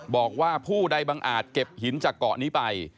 บอกว่าผู้ใดบังอาจเก็บหินจากเกาะนี้ไป